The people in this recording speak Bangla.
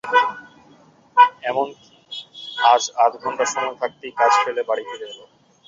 এমন-কি, আজ আধঘণ্টা সময় থাকতেই কাজ ফেলে বাড়ি ফিরে এল।